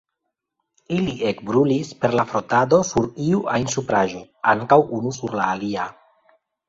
Ili ekbrulis per la frotado sur iu ajn supraĵo, ankaŭ unu sur la alia.